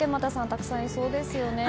たくさんいそうですよね。